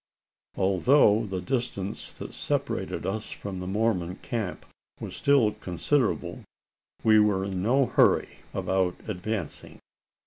Although the distance that separated us from the Mormon camp was still considerable, we were in no hurry, about advancing.